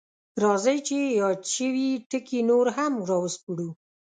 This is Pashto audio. راځئ چې یاد شوي ټکي نور هم راوسپړو: